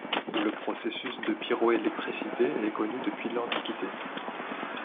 Le processus de pyroélectricité est connu depuis l'Antiquité.